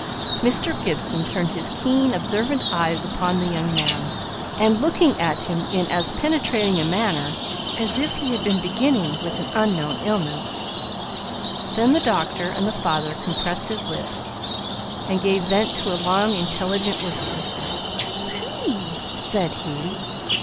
Mr. Gibson turned his keen, observant eyes upon the young man, and looked at him in as penetrating a manner as if he had been beginning with an unknown illness. Then the doctor and the father compressed his lips and gave vent to a long intelligent whistle. "Whew!" said he.